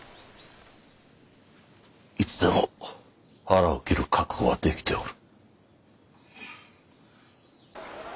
いつでも腹を切る覚悟はできておる。